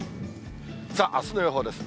あすの予報です。